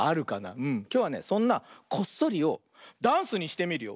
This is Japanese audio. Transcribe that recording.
きょうはねそんなこっそりをダンスにしてみるよ。